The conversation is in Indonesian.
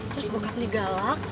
terus bokapnya galak